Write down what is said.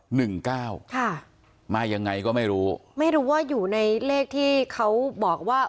หนึ่งเก้าค่ะมายังไงก็ไม่รู้ไม่รู้ว่าอยู่ในเลขที่เขาบอกว่า